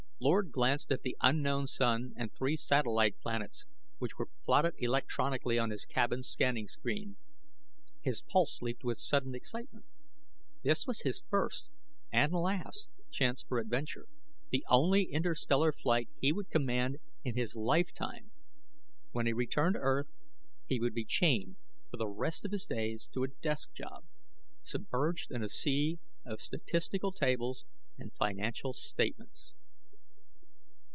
Lord glanced at the unknown sun and three satellite planets which were plotted electronically on his cabin scanning screen. His pulse leaped with sudden excitement. This was his first and last chance for adventure, the only interstellar flight he would command in his lifetime. When he returned to earth, he would be chained for the rest of his days to a desk job, submerged in a sea of statistical tables and financial statements.